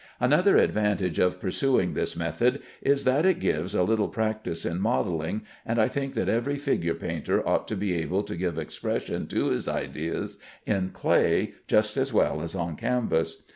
Another advantage of pursuing this method is that it gives a little practice in modelling, and I think that every figure painter ought to be able to give expression to his ideas in clay just as well as on canvas.